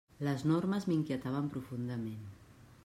Les normes m'inquietaven profundament.